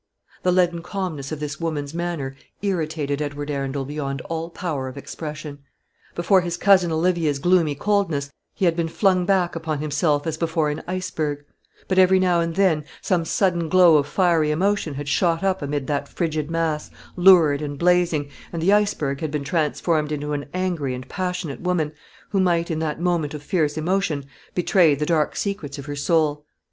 The leaden calmness of this woman's manner irritated Edward Arundel beyond all power of expression. Before his cousin Olivia's gloomy coldness he had been flung back upon himself as before an iceberg; but every now and then some sudden glow of fiery emotion had shot up amid that frigid mass, lurid and blazing, and the iceberg had been transformed into an angry and passionate woman, who might, in that moment of fierce emotion, betray the dark secrets of her soul.